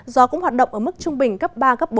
gió cũng hoạt động ở mức trung bình cấp ba cấp bốn